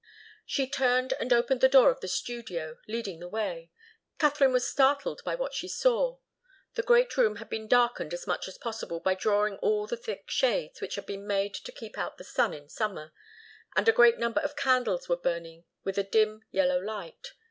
She turned and opened the door of the studio, leading the way. Katharine was startled by what she saw. The great room had been darkened as much as possible by drawing all the thick shades, which had been made to keep out the sun in summer, and a great number of candles were burning with a dim, yellow light.